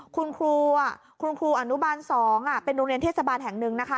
คุณครูคุณครูอนุบาล๒เป็นโรงเรียนเทศบาลแห่งหนึ่งนะคะ